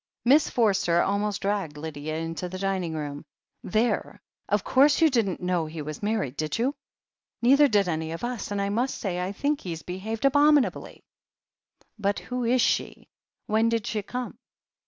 Miss Forster almost dragged Lydia into the dining room. "There ! Of course you didn't know he was married, did you ? Neither did any of us, and I must say I think he's behaved abominably." "But who is she? When did she come?"